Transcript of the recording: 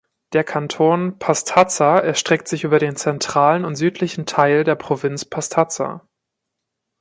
Der Kanton Pastaza erstreckt sich über den zentralen und südlichen Teil der Provinz Pastaza.